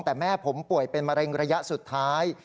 แต่แม่ผมป่วยเป็นมะเร็งระยะสุดท้าย